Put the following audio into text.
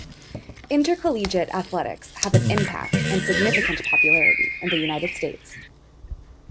Intercollegiate athletics have an impact and significant popularity in the United States.